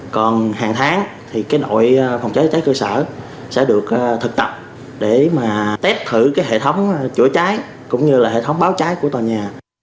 còn hàng tháng thì đội phòng cháy chữa cháy cư sở sẽ được thực tập để mà test thử hệ thống chữa cháy cũng như hệ thống báo cháy của tòa nhà